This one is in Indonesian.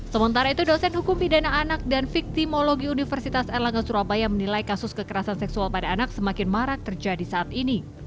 sementara itu dosen hukum pidana anak dan victimologi universitas erlangga surabaya menilai kasus kekerasan seksual pada anak semakin marak terjadi saat ini